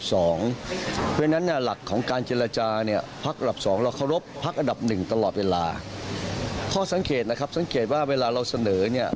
สังเกตว่าเวลาเราเสนอเนี่ย